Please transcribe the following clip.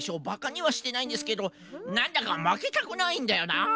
バカにはしてないんですけどなんだかまけたくないんだよな。